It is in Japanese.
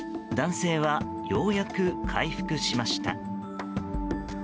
男性はようやく回復しました。